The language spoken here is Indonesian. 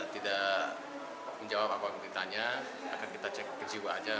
tidak menjawab apa yang ditanya akan kita cek kejiwaannya